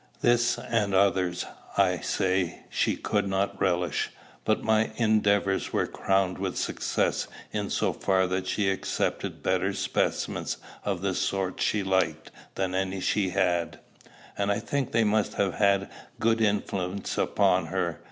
This and others, I say, she could not relish; but my endeavors were crowned with success in so far that she accepted better specimens of the sort she liked than any she had; and I think they must have had a good influence upon her.